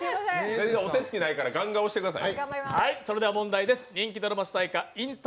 お手つきないからガンガン押してください。